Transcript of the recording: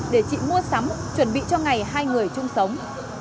để chị mua sắm chuẩn bị cho ngày hai người chung sống